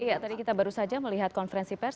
iya tadi kita baru saja melihat konferensi pers